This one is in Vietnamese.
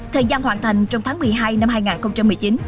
thời gian hoàn thành trong tháng một mươi hai năm hai nghìn một mươi chín